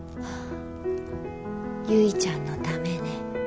ゆいちゃんのためね。